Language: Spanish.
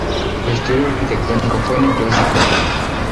Su estilo arquitectónico fue neoclásico.